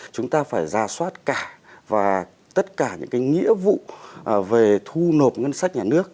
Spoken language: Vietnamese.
chúng ta phải ra soát cả và tất cả những cái nghĩa vụ về thu nộp ngân sách nhà nước